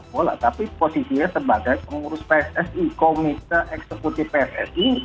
bola tapi posisinya sebagai pengurus pssi komite eksekutif pssi